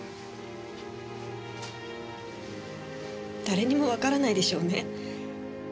誰にもわからないでしょうね。